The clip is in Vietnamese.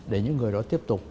để những người đó tiếp tục